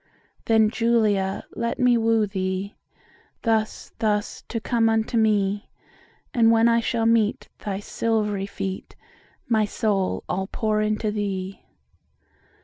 15 Then, Julia, let me woo thee, Thus, thus to come unto me; And when I shall meet Thy silv'ry feet, My soul I'll pour into thee.